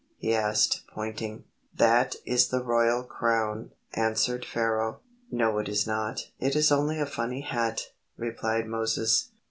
he asked, pointing. "That is the royal crown," answered Pharaoh. "No it is not; it is only a funny hat," replied Moses.